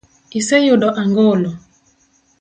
Iseyudo angolo?